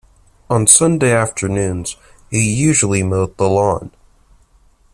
On Sunday afternoons he usually mowed the lawn.